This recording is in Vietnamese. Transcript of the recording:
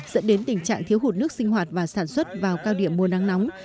dẫn đến tình trạng thiếu hụt nước sinh hoạt và sản xuất vào cao điểm mùa nắng nóng